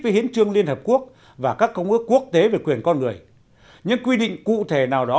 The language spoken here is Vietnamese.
các chương liên hợp quốc và các công ước quốc tế về quyền con người những quy định cụ thể nào đó